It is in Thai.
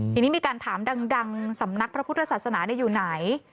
ทีนี้มีการถามดังสำนักพระพุทธศาสนาอยู่ไหน